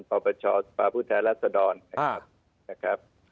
ปประชาติปราภูเทศรัสดรนะครับ